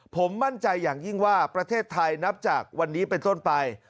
ผมมั่นใจอย่างยิ่งว่าประเทศไทยนับจากวันนี้เป็นต้นไป